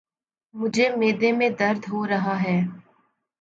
مجھے معدے میں درد ہو رہا ہے۔